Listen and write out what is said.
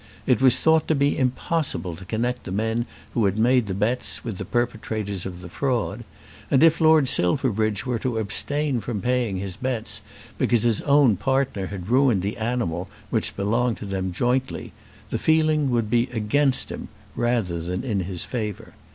It was thought to be impossible to connect the men who had made the bets with the perpetrators of the fraud; and if Lord Silverbridge were to abstain from paying his bets because his own partner had ruined the animal which belonged to them jointly, the feeling would be against him rather than in his favour.